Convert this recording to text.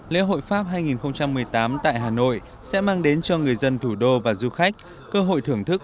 lễ hội pháp hai nghìn một mươi tám tại hà nội sẽ mang đến cho người dân thủ đô và du khách cơ hội thưởng thức